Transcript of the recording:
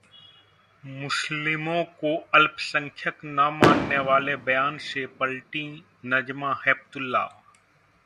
मुस्लिमों को अल्पसंख्यक न मानने वाले बयान से पलटीं नजमा हेपतुल्ला